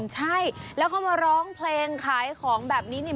ใช่แล้วเขามาร้องเพลงขายของแบบนี้เนี่ย